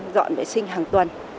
dọn vệ sinh hàng tuần